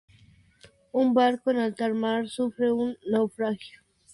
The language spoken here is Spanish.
Un barco en alta mar sufre un naufragio durante una fuerte tempestad.